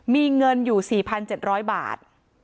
มีเงินอยู่๔๗๐๐บาท